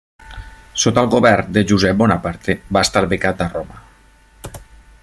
Sota el govern de Josep Bonaparte va estar becat a Roma.